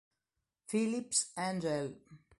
Philips Angel